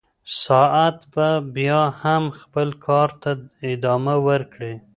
ساعت به بیا هم خپل کار ته ادامه ورکوي.